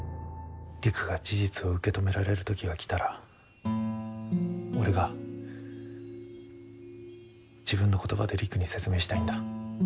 璃久が事実を受け止められる時が来たら俺が自分の言葉で璃久に説明したいんだ。